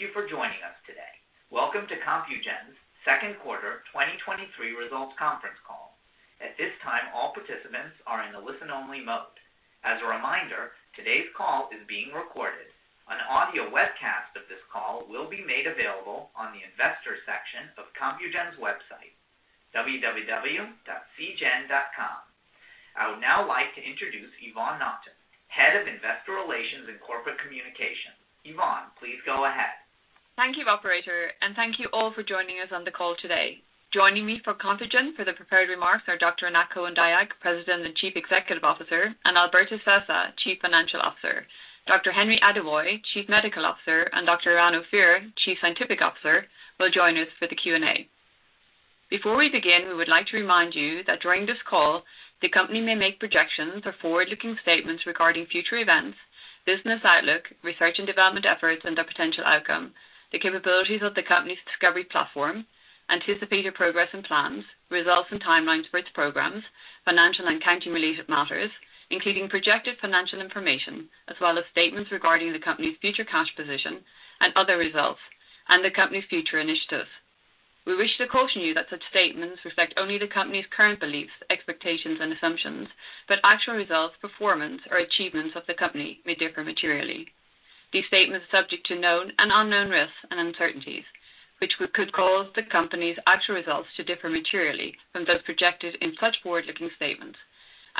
Ladies and gentlemen, thank you for joining us today. Welcome to Compugen's Q2 2023 Results Conference Call. At this time, all participants are in a listen-only mode. As a reminder, today's call is being recorded. An audio webcast of this call will be made available on the investors section of Compugen's website, www.cgen.com. I would now like to introduce Yvonne Naughton, Head of Investor Relations and Corporate Communications. Yvonne, please go ahead. Thank you, operator, thank you all for joining us on the call today. Joining me for Compugen for the prepared remarks are Dr. Anat Cohen-Dayag, President and Chief Executive Officer, and Alberto Sessa, Chief Financial Officer. Dr. Henry Adewoye, Chief Medical Officer, and Dr. Eran Ophir, Chief Scientific Officer, will join us for the Q&A. Before we begin, we would like to remind you that during this call, the company may make projections or forward-looking statements regarding future events, business outlook, research and development efforts, and their potential outcome, the capabilities of the company's discovery platform, anticipated progress and plans, results and timelines for its programs, financial and accounting-related matters, including projected financial information, as well as statements regarding the company's future cash position and other results and the company's future initiatives. We wish to caution you that such statements reflect only the company's current beliefs, expectations, and assumptions, but actual results, performance or achievements of the company may differ materially. These statements are subject to known and unknown risks and uncertainties, which could cause the company's actual results to differ materially from those projected in such forward-looking statements.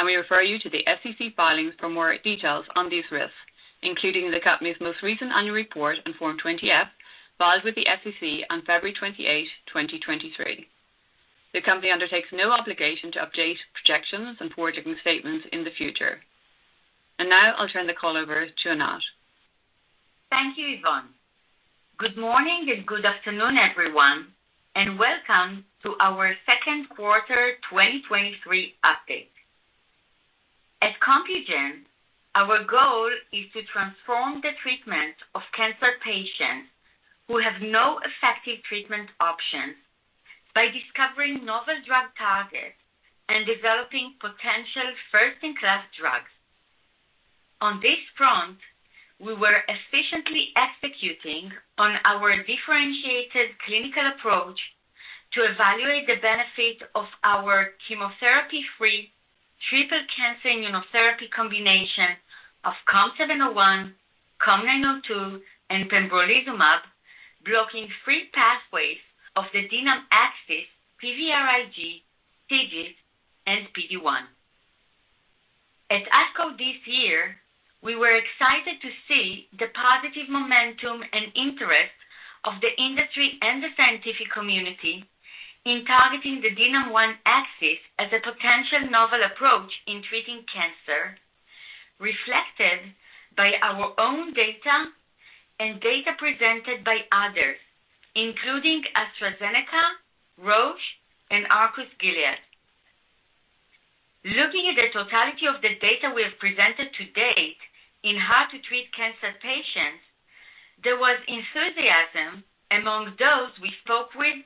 We refer you to the SEC filings for more details on these risks, including the company's most recent annual report on Form 20-F, filed with the SEC on February 28, 2023. The company undertakes no obligation to update projections and forward-looking statements in the future. Now I'll turn the call over to Anat. Thank you, Yvonne. Good morning and good afternoon, everyone, welcome to our Q2 2023 update. At Compugen, our goal is to transform the treatment of cancer patients who have no effective treatment options by discovering novel drug targets and developing potential first-in-class drugs. On this front, we were efficiently executing on our differentiated clinical approach to evaluate the benefit of our chemotherapy-free triple cancer immunotherapy combination of COM701, COM902, and pembrolizumab, blocking three pathways of the DNAM axis, PVRIG, TIGIT, and PD-1. At ASCO this year, we were excited to see the positive momentum and interest of the industry and the scientific community in targeting the DNAM-1 axis as a potential novel approach in treating cancer, reflected by our own data and data presented by others, including AstraZeneca, Roche, and Arcus/Gilead. Looking at the totality of the data we have presented to date in how to treat cancer patients, there was enthusiasm among those we spoke with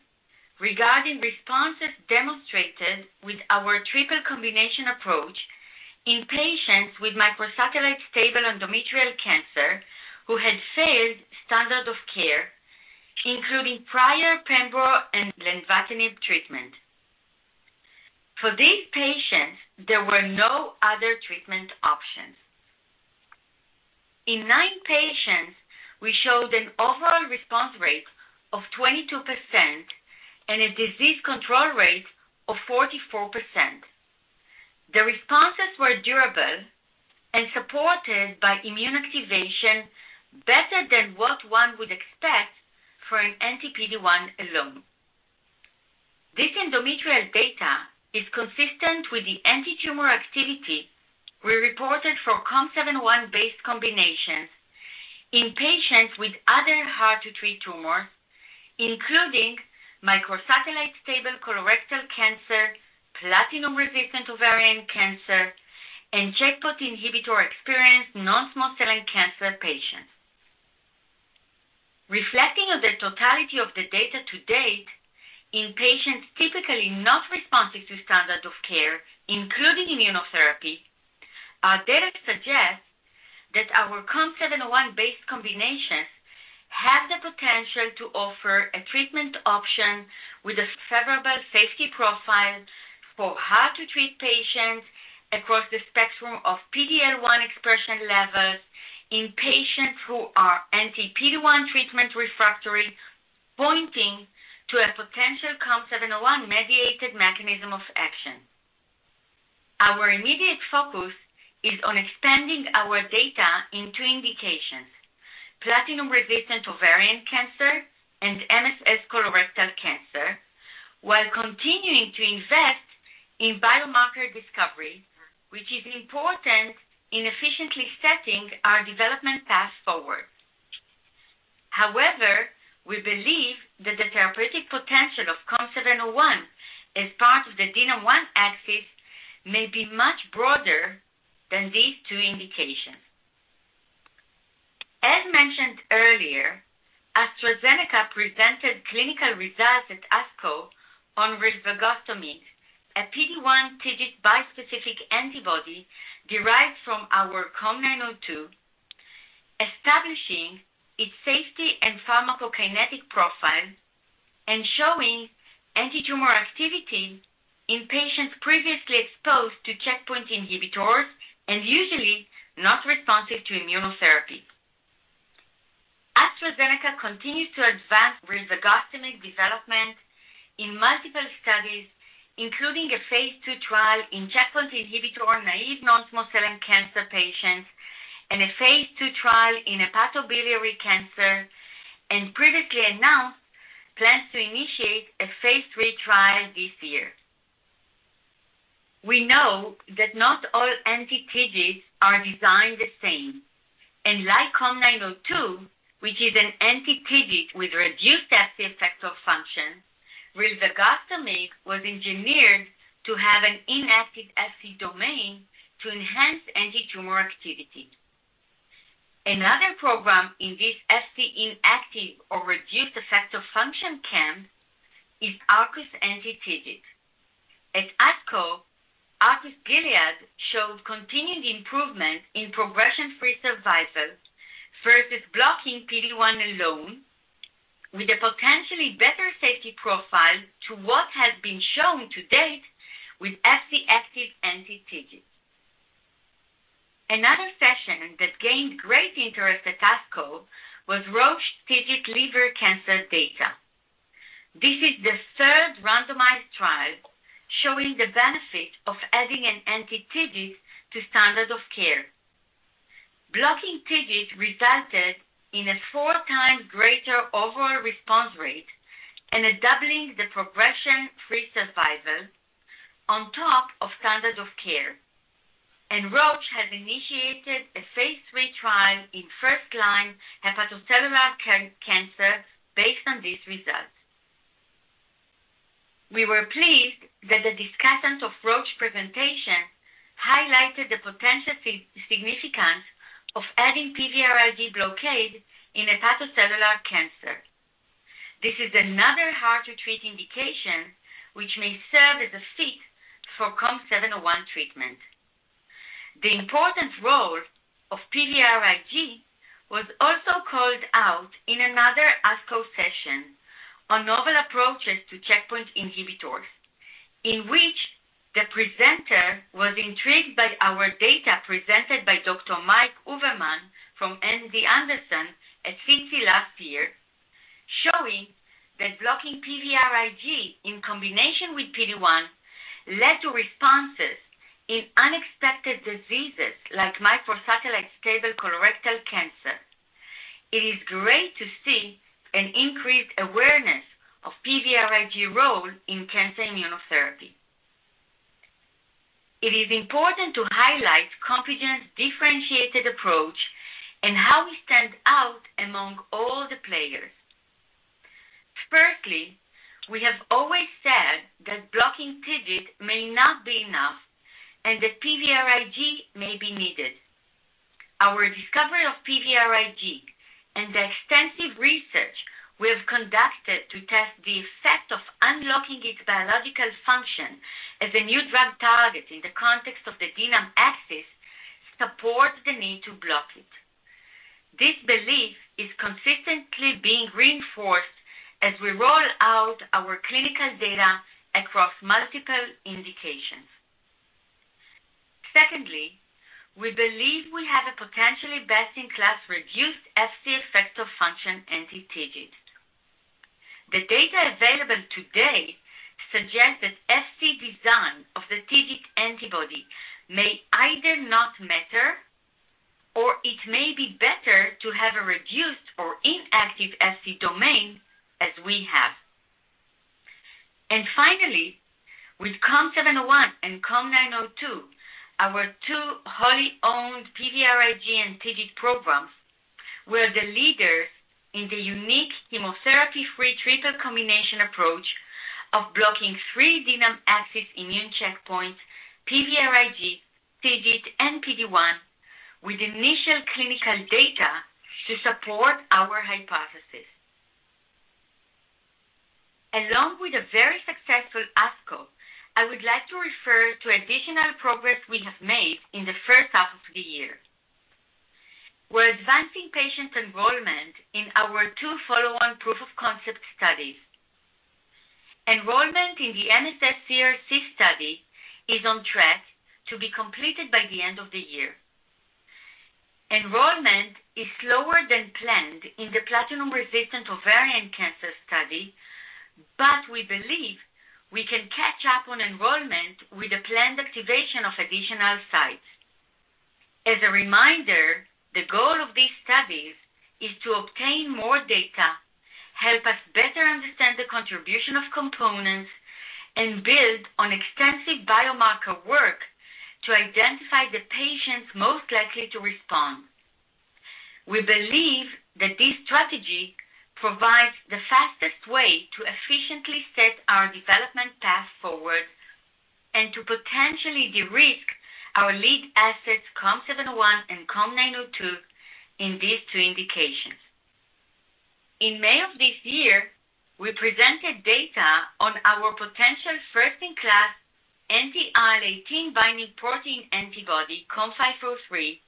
regarding responses demonstrated with our triple combination approach in patients with microsatellite stable endometrial cancer who had failed standard of care, including prior pembro and lenvatinib treatment. For these patients, there were no other treatment options. In nine patients, we showed an overall response rate of 22% and a disease control rate of 44%. The responses were durable and supported by immune activation better than what one would expect for an anti-PD-1 alone. This endometrial data is consistent with the antitumor activity we reported for COM701-based combinations in patients with other hard-to-treat tumors, including microsatellite stable colorectal cancer, platinum-resistant ovarian cancer, and checkpoint inhibitor-experienced non-small cell cancer patients. Reflecting on the totality of the data to date in patients typically not responsive to standard of care, including immunotherapy, our data suggests that our COM701-based combinations have the potential to offer a treatment option with a favorable safety profile for hard-to-treat patients across the spectrum of PD-L1 expression levels in patients who are anti-PD-1 treatment refractory, pointing to a potential COM701-mediated mechanism of action. Our immediate focus is on expanding our data in two indications: platinum-resistant ovarian cancer and MSS colorectal cancer, while continuing to invest in biomarker discovery, which is important in efficiently setting our development path forward. However, we believe that the therapeutic potential of COM701 as part of the DNAM-1 axis may be much broader than these two indications. As mentioned earlier-... presented clinical results at ASCO on rilvegostomig, a PD-1 TIGIT bispecific antibody derived from our COM902, establishing its safety and pharmacokinetic profile and showing antitumor activity in patients previously exposed to checkpoint inhibitors and usually not responsive to immunotherapy. AstraZeneca continues to advance rilvegostomig development in multiple studies, including a phase II trial in checkpoint inhibitor, naive non-small cell cancer patients, and a phase II trial in hepatobiliary cancer, and previously announced plans to initiate a phase III trial this year. We know that not all anti-TIGIT are designed the same, and like COM902, which is an anti-TIGIT with reduced Fc effector function, rilvegostomig was engineered to have an inactive Fc domain to enhance antitumor activity. Another program in this Fc inactive or reduced effector function camp is Arcus anti-TIGIT. At ASCO, Arcus/Gilead showed continued improvement in progression-free survival versus blocking PD-1 alone, with a potentially better safety profile to what has been shown to date with Fc active anti-TIGIT. Another session that gained great interest at ASCO was Roche TIGIT liver cancer data. This is the third randomized trial showing the benefit of adding an anti-TIGIT to standard of care. Blocking TIGIT resulted in a four times greater overall response rate and a doubling the progression-free survival on top of standard of care. Roche has initiated a phase three trial in first-line hepatocellular cancer based on these results. We were pleased that the discussant of Roche presentation highlighted the potential significance of adding PVRIG blockade in hepatocellular cancer. This is another hard-to-treat indication, which may serve as a fit for COM701 treatment. The important role of PVRIG was also called out in another ASCO session on novel approaches to checkpoint inhibitors, in which the presenter was intrigued by our data, presented by Dr. Mike Overman from MD Anderson at SITC last year, showing that blocking PVRIG in combination with PD-1, led to responses in unexpected diseases like microsatellite stable colorectal cancer. It is great to see an increased awareness of PVRIG role in cancer immunotherapy. It is important to highlight Compugen's differentiated approach and how we stand out among all the players. Firstly, we have always said that blocking TIGIT may not be enough and that PVRIG may be needed. Our discovery of PVRIG and the extensive research we have conducted to test the effect of unlocking its biological function as a new drug target in the context of the DNAM axis, supports the need to block it. This belief is consistently being reinforced as we roll out our clinical data across multiple indications. Secondly, we believe we have a potentially best-in-class reduced Fc effector function anti-TIGIT. The data available today suggests that Fc design of the TIGIT antibody may either not matter, or it may be better to have a reduced or inactive Fc domain as we have. Finally, with COM701 and COM902, our two wholly owned PVRIG and TIGIT programs, we're the leader in the unique chemotherapy-free triple combination approach of blocking three DNAM axis immune checkpoints, PVRIG, TIGIT, and PD-1, with initial clinical data to support our hypothesis. Along with a very successful ASCO, I would like to refer to additional progress we have made in the first half of the year. We're advancing patient enrollment in our two follow-on proof of concept studies. Enrollment in the NSCLC study is on track to be completed by the end of the year. Enrollment is slower than planned in the platinum-resistant ovarian cancer study, but we believe we can catch up on enrollment with the planned activation of additional sites. As a reminder, the goal of these studies is to obtain more data, help us better understand the contribution of Compugen, and build on extensive biomarker work to identify the patients most likely to respond. We believe that this strategy provides the fastest way to reset our development path forward and to potentially de-risk our lead assets, COM701 and COM902, in these two indications. In May of this year, we presented data on our potential first-in-class anti-IL-18 binding protein antibody, COM503,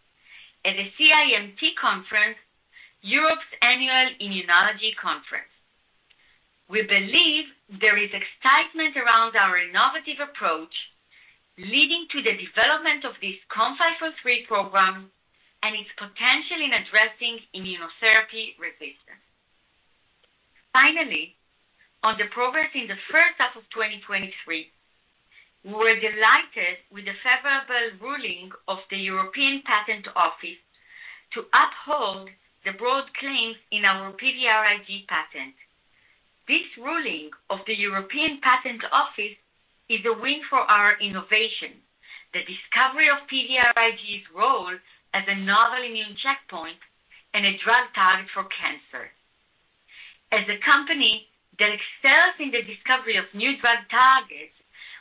at the CIMT conference, Europe's annual immunology conference. We believe there is excitement around our innovative approach, leading to the development of this COM503 program and its potential in addressing immunotherapy resistance. Finally, on the progress in the first half of 2023, we were delighted with the favorable ruling of the European Patent Office to uphold the broad claims in our PVRIG patent. This ruling of the European Patent Office is a win for our innovation, the discovery of PVRIG's role as a novel immune checkpoint and a drug target for cancer. As a company that excels in the discovery of new drug targets,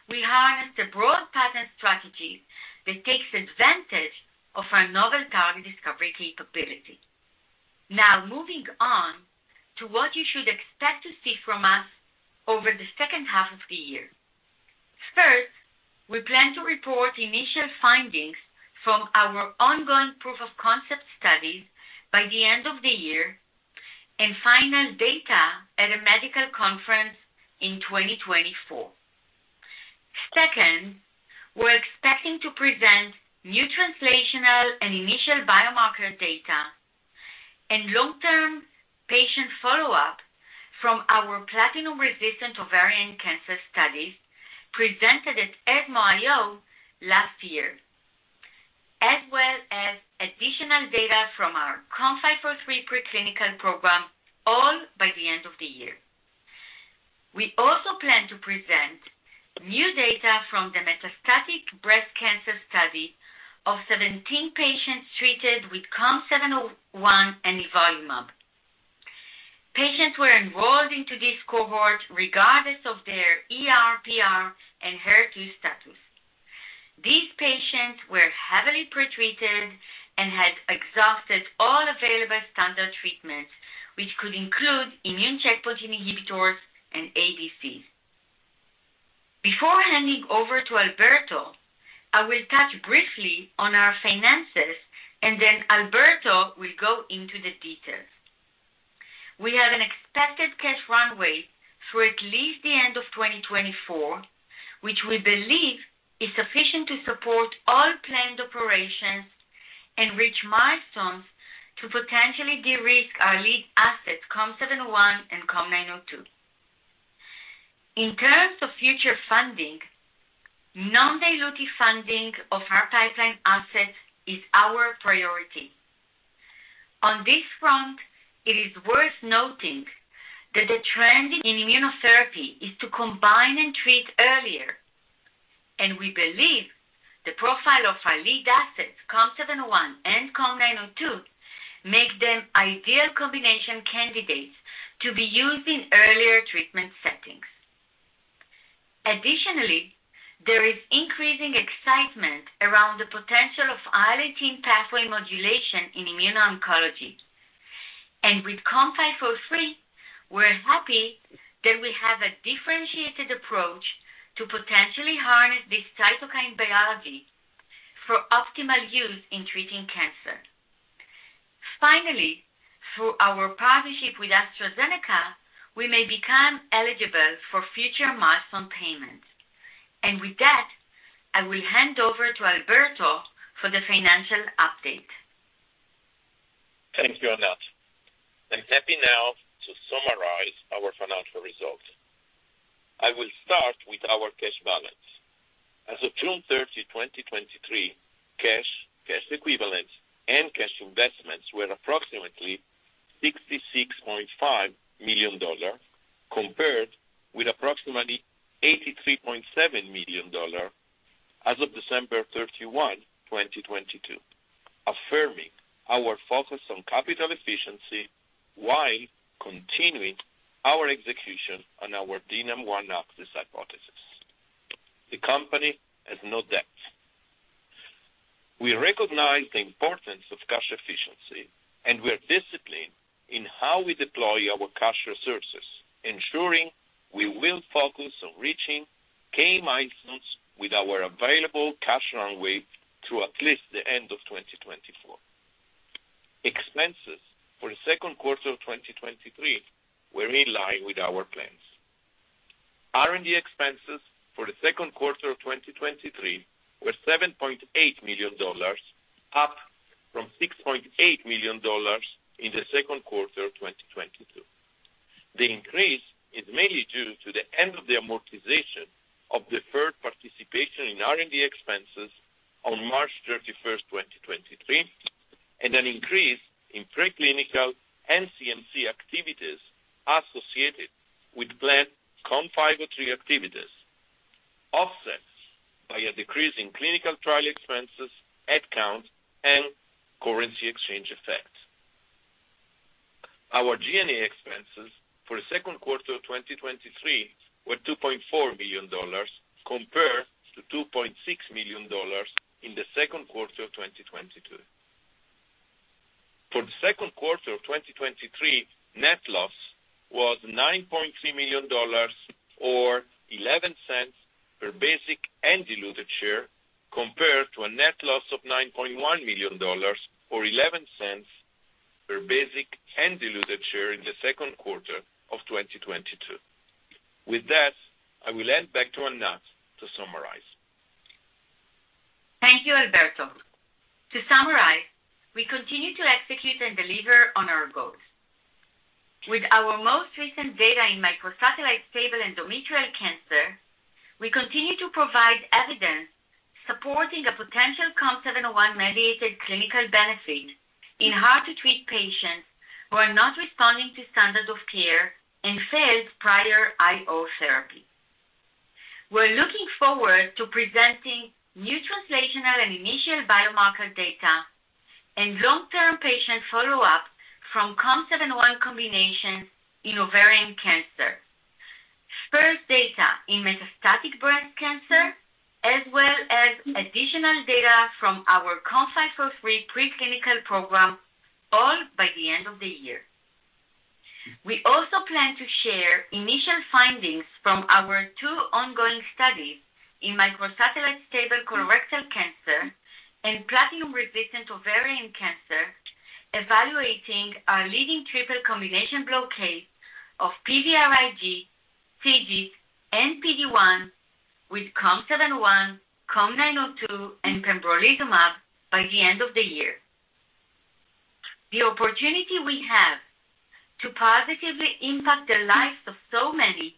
we harness the broad patent strategy that takes advantage of our novel target discovery capability. Now, moving on to what you should expect to see from us over the second half of the year. First, we plan to report initial findings from our ongoing proof of concept studies by the end of the year, and final data at a medical conference in 2024. Second, we're expecting to present new translational and initial biomarker data and long-term patient follow-up from our platinum-resistant ovarian cancer studies, presented at ESMO IO last year, as well as additional data from our COM503 preclinical program, all by the end of the year. We also plan to present new data from the metastatic breast cancer study of 17 patients treated with COM701 and nivolumab. Patients were enrolled into this cohort regardless of their ER, PR, and HER2 status. These patients were heavily pretreated and had exhausted all available standard treatments, which could include immune checkpoint inhibitors and ADCs. Before handing over to Alberto, I will touch briefly on our finances, then Alberto will go into the details. We have an expected cash runway through at least the end of 2024, which we believe is sufficient to support all planned operations and reach milestones to potentially de-risk our lead assets, COM701 and COM902. In terms of future funding, non-dilutive funding of our pipeline assets is our priority. On this front, it is worth noting that the trend in immunotherapy is to combine and treat earlier, we believe the profile of our lead assets, COM701 and COM902, make them ideal combination candidates to be used in earlier treatment settings. Additionally, there is increasing excitement around the potential of IL-18 pathway modulation in immuno-oncology. With COM503, we're happy that we have a differentiated approach to potentially harness this cytokine biology for optimal use in treating cancer. Finally, through our partnership with AstraZeneca, we may become eligible for future milestone payments. With that, I will hand over to Alberto for the financial update. Thank you, Anat. I'm happy now to summarize our financial results. I will start with our cash balance. As of June 30, 2023, cash, cash equivalents, and cash investments were approximately $66.5 million, compared with approximately $83.7 million dollar as of December 31, 2022, affirming our focus on capital efficiency, while continuing our execution on our DNAM-1 axis hypothesis. The company has no debt. We recognize the importance of cash efficiency, and we are disciplined in how we deploy our cash resources, ensuring we will focus on reaching key milestones with our available cash runway through at least the end of 2024. Expenses for the Q2 of 2023 were in line with our plans. R&D expenses for the Q2 of 2023 were $7.8 million, up from $6.8 million in the Q2 of 2022. The increase is mainly due to the end of the amortization of deferred participation in R&D expenses on March 31, 2023, and an increase in preclinical and CMC activities associated with planned COM503 activities, offsets by a decrease in clinical trial expenses, head count, and currency exchange effects. Our G&A expenses for the Q2 of 2023 were $2.4 billion compared to $2.6 million in the Q2 of 2022. For the Q2 of 2023, net loss was $9.3 million, or $0.11 per basic and diluted share, compared to a net loss of $9.1 million, or $0.11 per basic and diluted share in the Q2 of 2022. With that, I will hand back to Anat to summarize. Thank you, Alberto. To summarize, we continue to execute and deliver on our goals. With our most recent data in microsatellite stable endometrial cancer, we continue to provide evidence supporting a potential COM701-mediated clinical benefit in hard-to-treat patients who are not responding to standard of care and failed prior IO therapy. We're looking forward to presenting new translational and initial biomarker data and long-term patient follow-up from COM701 combination in ovarian cancer. First, data in metastatic breast cancer, as well as additional data from our COM503 preclinical program, all by the end of the year. We also plan to share initial findings from our two ongoing studies in microsatellite stable colorectal cancer and platinum-resistant ovarian cancer, evaluating our leading triple combination blockade of PVRIG, TIGIT and PD-1 with COM701, COM902, and pembrolizumab by the end of the year. The opportunity we have to positively impact the lives of so many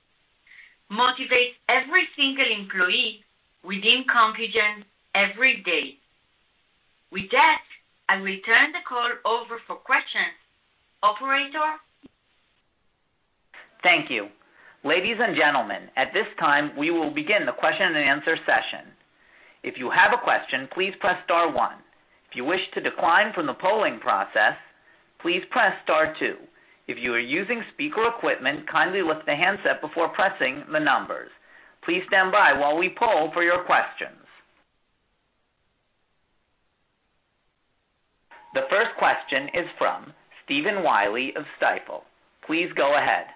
motivates every single employee within Compugen every day. With that, I will turn the call over for questions. Operator? Thank you. Ladies and gentlemen, at this time, we will begin the question and answer session. If you have a question, please press star one. If you wish to decline from the polling process, please press star two. If you are using speaker equipment, kindly lift the handset before pressing the numbers. Please stand by while we poll for your questions. The first question is from Stephen Willey of Stifel. Please go ahead.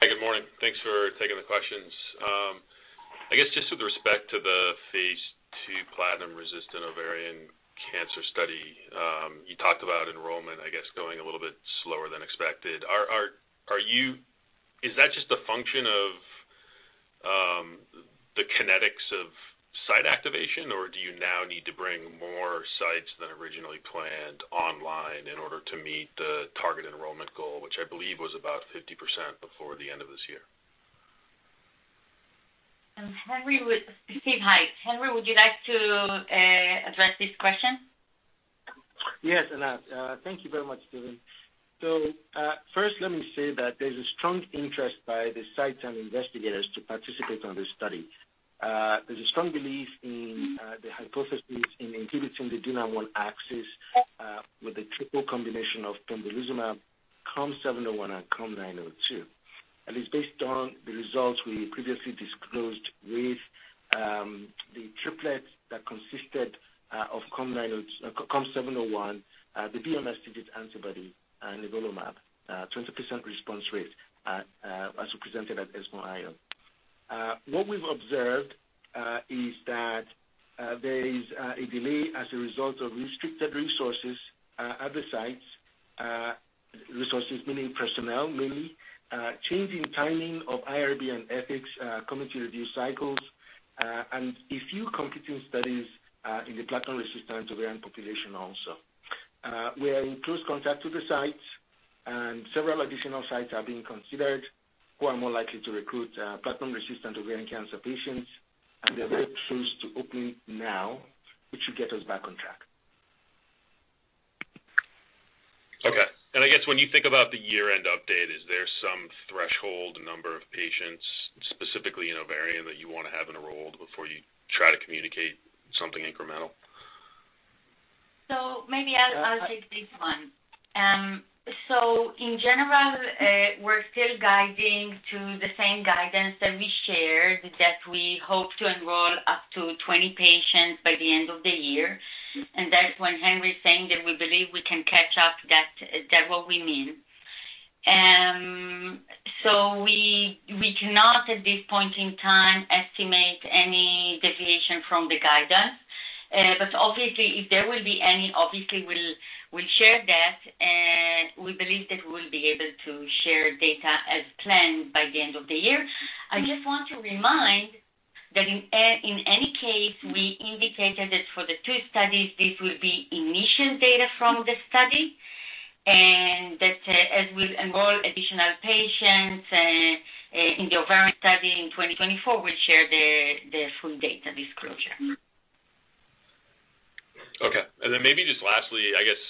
Hey, good morning. Thanks for taking the questions. I guess, just with respect to the phase two platinum-resistant ovarian cancer study, you talked about enrollment, I guess, going a little bit slower than expected. Is that just a function of the kinetics of site activation, or do you now need to bring more sites than originally planned online in order to meet the target enrollment goal, which I believe was about 50% before the end of this year? Henry, Steve, hi. Henry, would you like to address this question? Yes, Anat. Thank you very much, Stephen. First, let me say that there's a strong interest by the sites and investigators to participate on this study. There's a strong belief in the hypothesis in inhibiting the DNAM-1 axis with the triple combination of pembrolizumab, COM701 and COM902, and it's based on the results we previously disclosed with the triplet that consisted of COM902-- COM701, the BMS antibody and nivolumab, 20% response rate, as we presented at ESMO IO. What we've observed is that there is a delay as a result of restricted resources at the sites. resources, meaning personnel, mainly, changing timing of IRB and ethics committee review cycles, and a few competing studies, in the platinum-resistant ovarian population also. We are in close contact with the sites, and several additional sites are being considered, who are more likely to recruit platinum-resistant ovarian cancer patients, and they're very close to opening now, which should get us back on track. Okay. I guess when you think about the year-end update, is there some threshold, number of patients, specifically in ovarian, that you want to have enrolled before you try to communicate something incremental? Maybe I'll, I'll take this one. In general, we're still guiding to the same guidance that we shared, that we hope to enroll up to 20 patients by the end of the year. That's when Henry is saying that we believe we can catch up, that, is that what we mean? We, we cannot, at this point in time, estimate any deviation from the guidance. Obviously, if there will be any, obviously, we'll, we'll share that, and we believe that we'll be able to share data as planned by the end of the year. I just want to remind that in, in any case, we indicated that for the two studies, this will be initial data from the study, and that, as we enroll additional patients, in the ovarian study in 2024, we'll share the full data disclosure. Okay. Then maybe just lastly, I guess,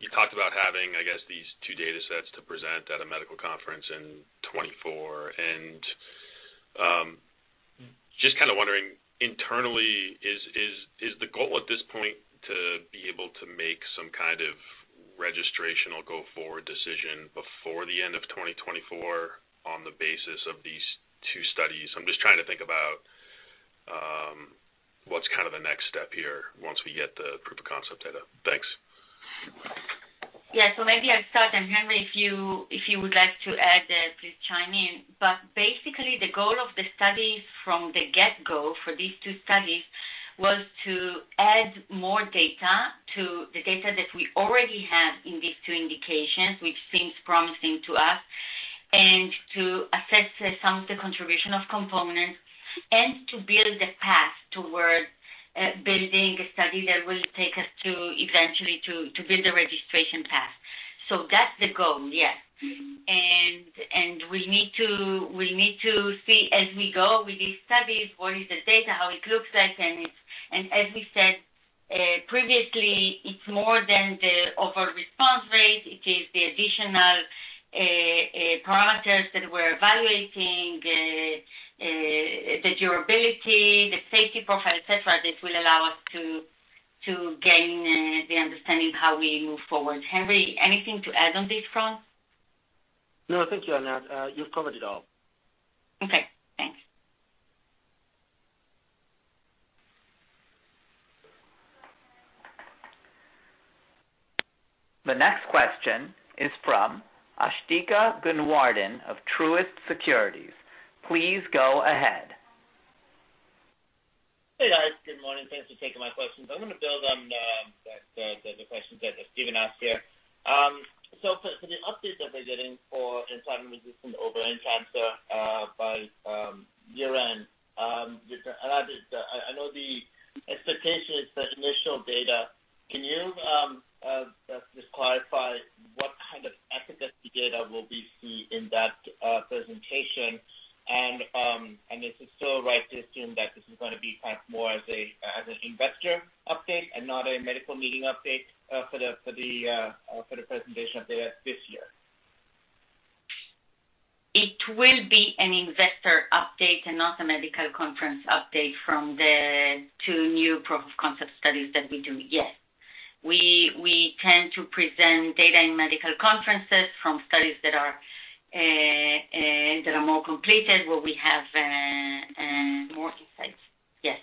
you talked about having, I guess, these two data sets to present at a medical conference in 2024. Just kind of wondering, internally, is, is, is the goal at this point to be able to make some kind of registrational go forward decision before the end of 2024 on the basis of these two studies? I'm just trying to think about what's kind of the next step here once we get the proof of concept data. Thanks. Yeah. Maybe I'll start, and Henry, if you, if you would like to add, please chime in. Basically, the goal of the study from the get-go for these two studies was to add more data to the data that we already have in these two indications, which seems promising to us, and to assess some of the contribution of components, and to build a path towards building a study that will take us to eventually to, to build a registration path. That's the goal, yes. And we need to, we need to see as we go with these studies, what is the data, how it looks like, and as we said, previously, it's more than the overall response rate. It is the additional parameters that we're evaluating, the durability, the safety profile, et cetera, that will allow us to, to gain the understanding how we move forward. Henry, anything to add on this front? No, thank you, Anat. You've covered it all. Okay, thanks. The next question is from Asthika Goonewardene of Truist Securities. Please go ahead. Hey, guys. Good morning. Thanks for taking my questions. I'm gonna build on the questions that Stephen asked here. For the updates that we're getting for platinum-resistant ovarian cancer by year-end, I know the expectation is the initial data. Can you just clarify what kind of efficacy data will we see in that presentation? Is it still right to assume that this is gonna be kind of more as a, as an investor update and not a medical meeting update for the presentation update this year? It will be an investor update and not a medical conference update from the two new proof of concept studies that we do. Yes. We, we tend to present data in medical conferences from studies that are that are more completed, where we have more insights. Yes.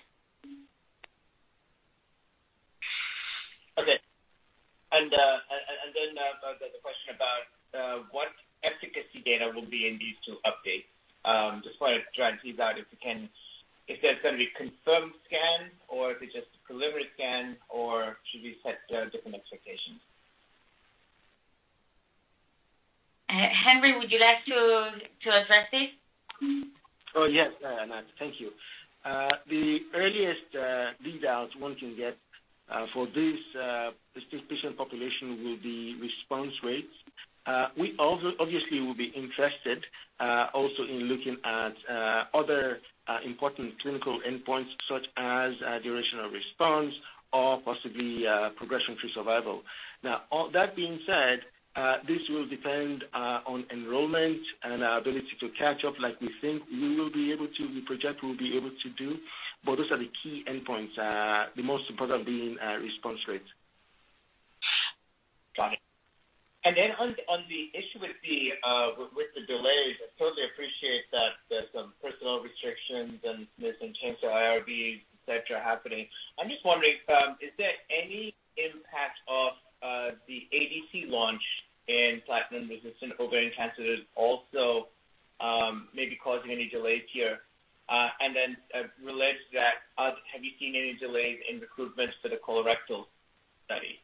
Okay. Then, the question about what efficacy data will be in these two updates? Just wanted to try and tease out if you can, if there's gonna be confirmed scans, or if it's just preliminary scans, or should we set different expectations? Henry, would you like to, to address this? Oh, yes, Anat, thank you. The earliest readouts one can get for this patient population will be response rates. We also obviously will be interested also in looking at other important clinical endpoints, such as duration of response or possibly progression-free survival. Now, all that being said, this will depend on enrollment and our ability to catch up like we think we will be able to, we project we'll be able to do. Those are the key endpoints, the most important being response rates. Got it. On, on the issue with the, with, with the delays, I totally appreciate that there's some personal restrictions and there's some changes to IRB etc., happening. I'm just wondering, is there any impact of, the ADC launch in platinum-resistant ovarian cancer that is also, maybe causing any delays here? Related to that, have you seen any delays in recruitments for the colorectal study?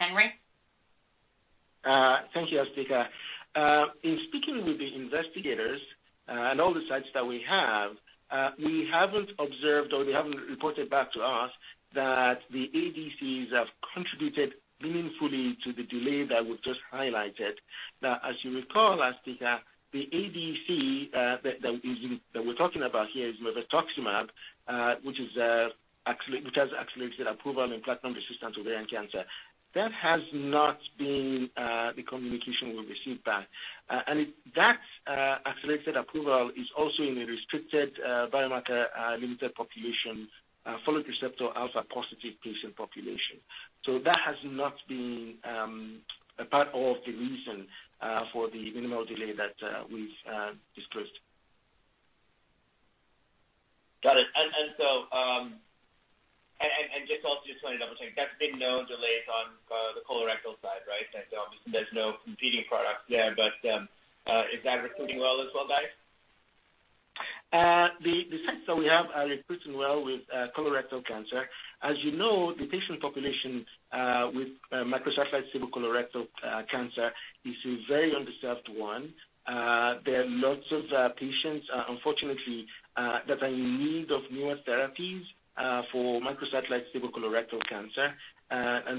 Henry? Thank you, Asthika. In speaking with the investigators, and all the sites that we have, we haven't observed, or they haven't reported back to us that the ADCs have contributed meaningfully to the delay that was just highlighted. As you recall, Asthika, the ADC that we're talking about here is mirvetuximab, which has accelerated approval in platinum-resistant ovarian cancer. That has not been the communication we've received back. And that accelerated approval is also in a restricted, biomarker, limited population, folate receptor alpha-positive patient population. That has not been a part of the reason for the minimal delay that we've disclosed. Got it. And so... And, and, and just also just wanted to double check, there's been no delays on the colorectal side, right? Obviously, there's no competing products there, but, is that recruiting well as well, guys? The, the sites that we have are recruiting well with colorectal cancer. As you know, the patient population, with microsatellite-stable colorectal cancer is a very underserved one. There are lots of patients, unfortunately, that are in need of newer therapies for microsatellite-stable colorectal cancer.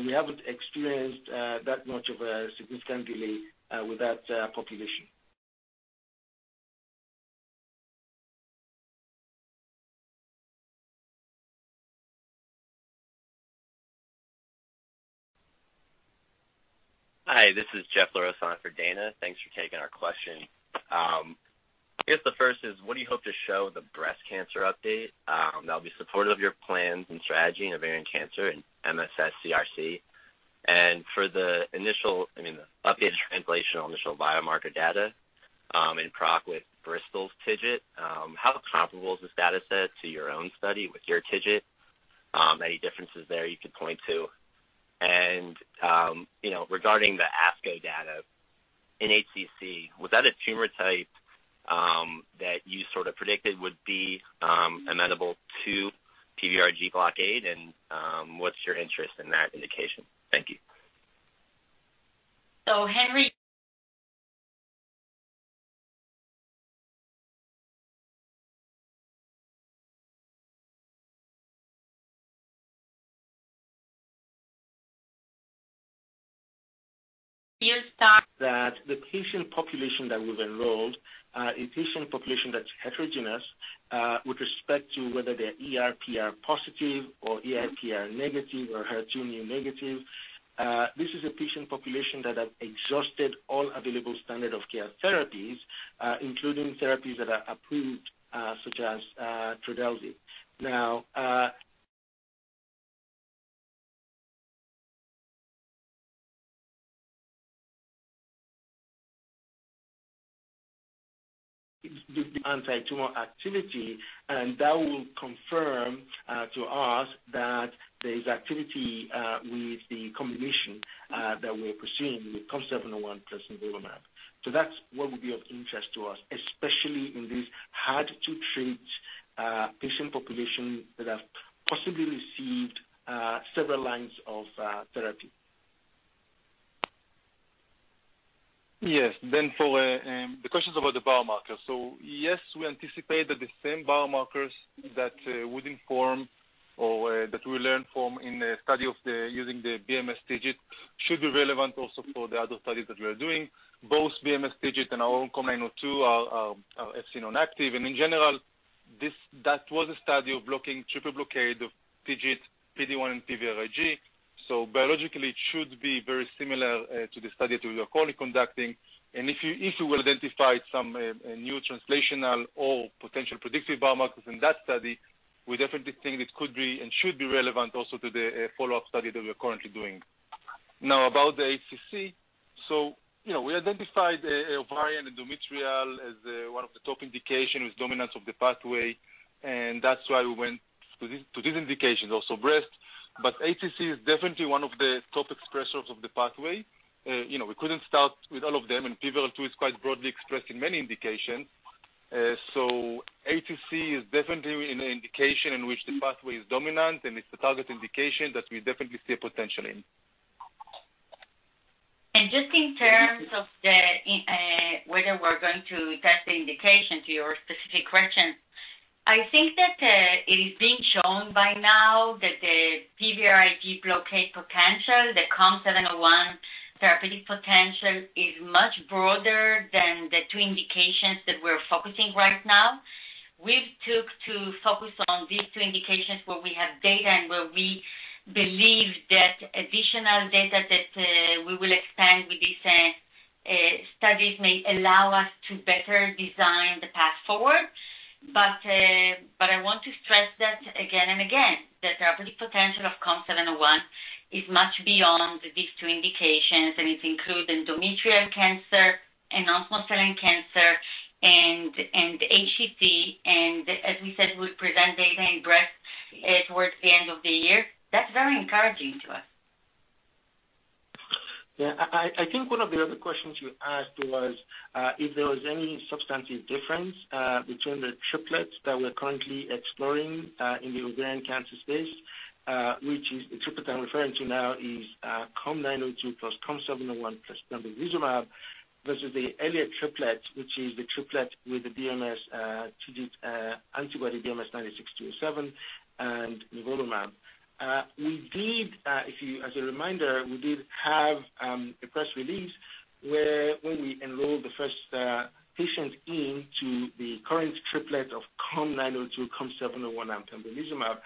We haven't experienced that much of a significant delay with that population. Hi, this is Jeff LaRosa for Dana. Thanks for taking our question. I guess the first is, what do you hope to show the breast cancer update, that'll be supportive of your plans and strategy in ovarian cancer and MSS CRC? For the initial, I mean, the updated translational initial biomarker data, in proc with Bristol's TIGIT, how comparable is this data set to your own study with your TIGIT? Any differences there you could point to? You know, regarding the ASCO data in HCC, was that a tumor type, that you sort of predicted would be, amenable to PVRIG blockade? What's your interest in that indication? Thank you. Henry. We thought that the patient population that we've enrolled, a patient population that's heterogeneous, with respect to whether they're ERPR positive or ERPR negative or HER2 negative. This is a patient population that has exhausted all available standard of care therapies, including therapies that are approved, such as, Trodelvy. Now, anti-tumor activity, and that will confirm, to us that there is activity, with the combination, that we're pursuing with COM701 plus nivolumab. That's what would be of interest to us, especially in these hard-to-treat, patient population that have possibly received, several lines of, therapy. Yes. For the questions about the biomarkers. Yes, we anticipate that the same biomarkers that would inform or that we learn from in the study of the using the BMS TIGIT, should be relevant also for the other studies that we are doing. Both BMS TIGIT and our own COM902 are, are, are Fc active, and in general, that was a study of blocking triple blockade of TIGIT, PD-1 and PVRIG. Biologically, it should be very similar to the study that we are currently conducting. If you, if you will identify some a new translational or potential predictive biomarkers in that study, we definitely think it could be and should be relevant also to the follow-up study that we're currently doing. About the HCC. you know, we identified ovarian endometrial as one of the top indications with dominance of the pathway, and that's why we went to this, to this indication, also breast. HCC is definitely one of the top expressors of the pathway. you know, we couldn't start with all of them, and PVRL2 is quite broadly expressed in many indications. HCC is definitely an indication in which the pathway is dominant, and it's a target indication that we definitely see a potential in. Just in terms of the whether we're going to test the indication to your specific question, I think that it is being shown by now that the PVRIG blockade potential, the COM701 therapeutic potential, is much broader than the two indications that we're focusing right now. We've took to focus on these two indications where we have data and where we believe that additional data that we will expand with these studies, may allow us to better design the path forward. But I want to stress that again and again, the therapeutic potential of COM701 is much beyond these two indications, and it includes endometrial cancer and non-small cell lung cancer and HCC. As we said, we'll present data in breast towards the end of the year. That's very encouraging to us. Yeah. I, I, I think one of the other questions you asked was if there was any substantive difference between the triplets that we're currently exploring in the ovarian cancer space, which is the triplet I'm referring to now is COM902 plus COM701 plus pembrolizumab, versus the earlier triplet, which is the triplet with the BMS TIGIT antibody, BMS-986207 and nivolumab. We did, if you... As a reminder, we did have a press release where when we enrolled the first patient into the current triplet of COM902, COM701, and pembrolizumab.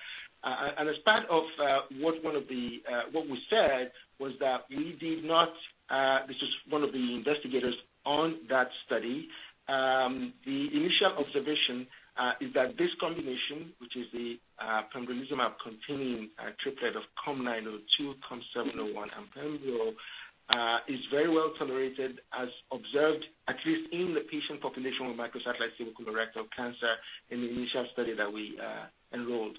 As part of what one of the what we said was that we did not, this is one of the investigators on that study. The initial observation is that this combination, which is the pembrolizumab-containing triplet of COM902, COM701, and pembro, is very well tolerated as observed, at least in the patient population with microsatellite colorectal cancer in the initial study that we enrolled.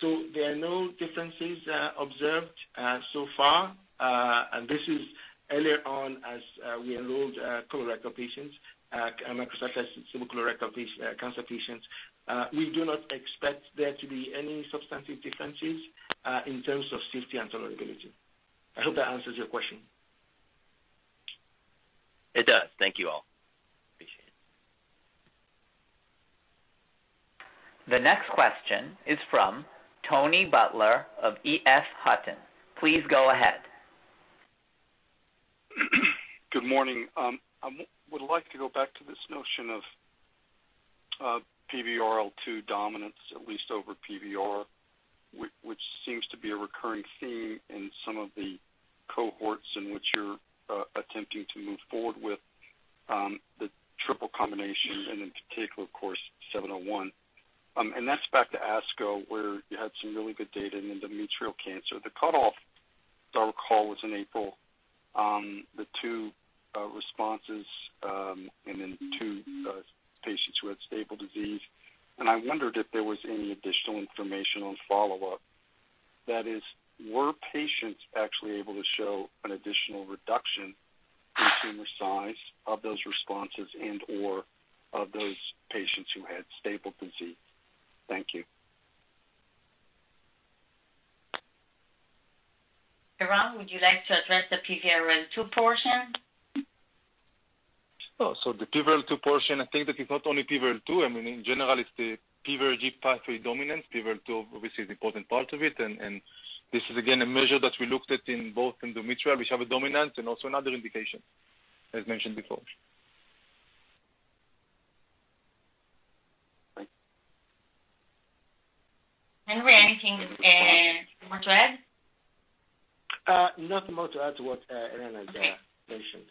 So there are no differences observed so far. This is earlier on as we enrolled colorectal patients, microsatellite colorectal cancer patients. We do not expect there to be any substantive differences in terms of safety and tolerability. I hope that answers your question. It does. Thank you all. Appreciate it. The next question is from Tony Butler of EF Hutton. Please go ahead. Good morning. I would like to go back to this notion of PVRL2 dominance, at least over PVR, which seems to be a recurring theme in some of the cohorts in which you're attempting to move forward with the triple combination, and in particular, of course, COM701. That's back to ASCO, where you had some really good data in endometrial cancer. The cutoff, as I recall, was in April. The two responses, and then two patients who had stable disease. I wondered if there was any additional information on follow-up. That is, were patients actually able to show an additional reduction in tumor size of those responses and, or of those patients who had stable disease? Thank you. Eran, would you like to address the PVRL2 portion? Sure. The PVRL2 portion, I think that it's not only PVRL2. I mean, in general, it's the PVRIG pathway dominance. PVRL2 obviously is important part of it, and this is again, a measure that we looked at in both endometrial, which have a dominance and also another indication, as mentioned before. Henry, anything, more to add? Nothing more to add to what Eran mentioned.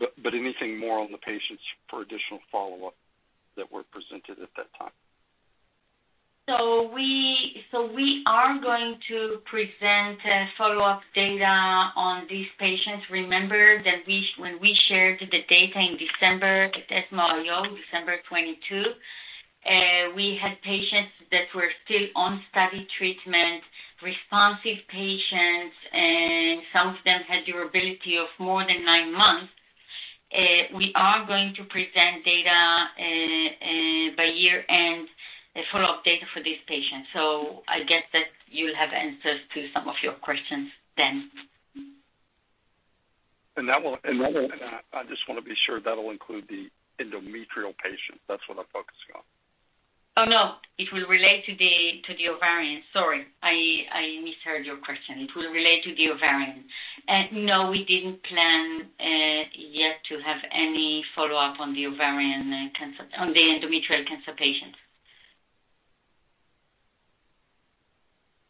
But anything more on the patients for additional follow-up that were presented at that time? We, so we are going to present, follow-up data on these patients. Remember that when we shared the data in December, at ESMO, December 2022, we had patients that were still on study treatment, responsive patients, and some of them had durability of more than nine months. We are going to present data, by year-end, a follow-up data for these patients. I guess that you'll have answers to some of your questions then. I just want to be sure that'll include the endometrial patients. That's what I'm focusing on. Oh, no, it will relate to the, to the ovarian. Sorry, I, I misheard your question. It will relate to the ovarian. No, we didn't plan yet to have any follow-up on the ovarian cancer, on the endometrial cancer patients.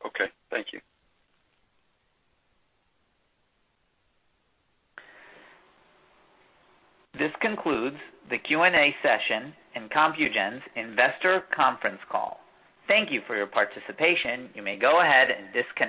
Okay. Thank you. This concludes the Q&A session in Compugen's Investor Conference Call. Thank you for your participation. You may go ahead and disconnect.